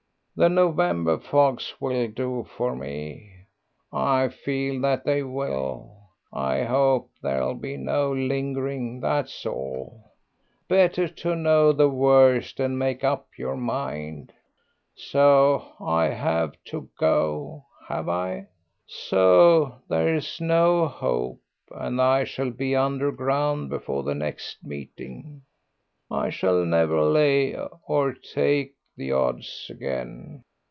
The November fogs will do for me, I feel that they will. I hope there'll be no lingering, that's all. Better to know the worst and make up your mind. So I have to go, have I? So there's no hope, and I shall be under ground before the next meeting. I shall never lay or take the odds again.